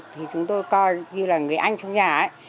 thì chúng tôi coi như là người anh trong nhà ấy